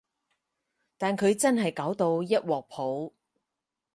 但佢真係搞到一鑊泡